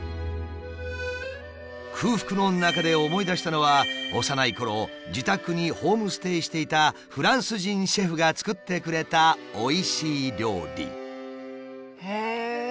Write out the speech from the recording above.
空腹の中で思い出したのは幼いころ自宅にホームステイしていたフランス人シェフが作ってくれたおいしい料理。